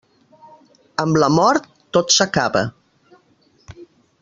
Amb la mort tot s'acaba.